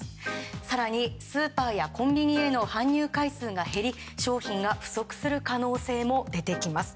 更に、スーパーやコンビニへの搬入回数が減り商品が不足する可能性が出てきます。